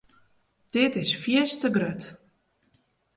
Dit is fierste grut.